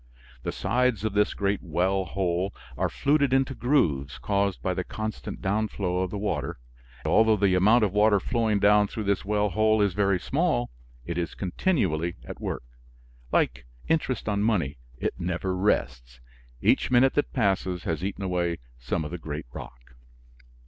The sides of this great well hole are fluted into grooves caused by the constant downflow of the water. Although the amount of water flowing down through this well hole is very small, it is continually at work. Like interest on money, it never rests, each minute that passes has eaten away some of the great rock.